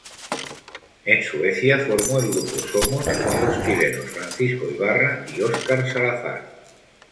En Suecia formó el grupo Somos, con los chilenos Francisco Ibarra y Óscar Salazar.